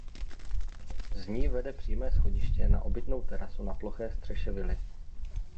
Z ní vede přímé schodiště na obytnou terasu na ploché střeše vily.